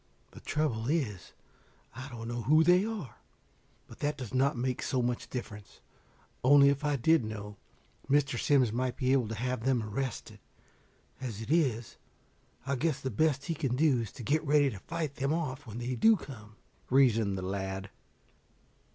"The trouble is I don't know who they are. But that does not make so much difference. Only if I did know, Mr. Simms might be able to have them arrested. As it is, I guess the best he can do is to get ready to fight them off when they do come," reasoned the lad.